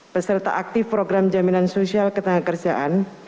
peserta aktif program jaminan sosial ketenangan kerjaan